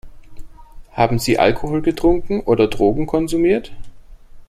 Haben Sie Alkohol getrunken oder Drogen konsumiert?